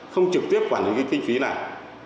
không trực tiếp quản lý cái kinh phí này